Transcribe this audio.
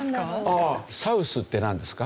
ああ「サウス」ってなんですか？